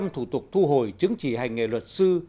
một trăm linh thủ tục thu hồi chứng chỉ hành nghề luật sư